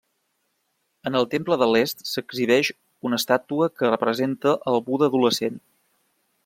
En el temple de l'est s'exhibeix una estàtua que representa al Buda adolescent.